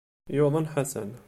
Yuḍen Ḥasan.